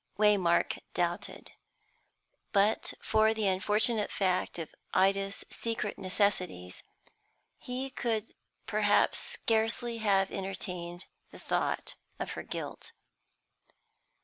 Waymark doubted. But for the unfortunate fact of Ida's secret necessities, he could perhaps scarcely have entertained the thought of her guilt.